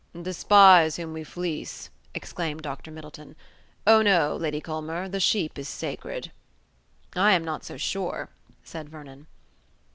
"Despise whom we fleece!" exclaimed Dr. Middleton. "Oh, no, Lady Culmer, the sheep is sacred." "I am not so sure," said Vernon.